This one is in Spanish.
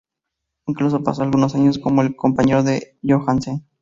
Incluso pasó algunos años como el compañero de Johansen.